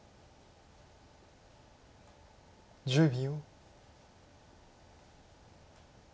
１０秒。